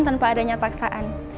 tanpa adanya paksaan